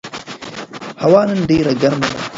هوا نن ډېره ګرمه ده.